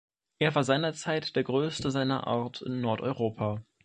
Er war seinerzeit der größte seiner Art in Nordeuropa.